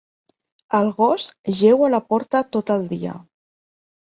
El gos jeu a la porta tot el dia.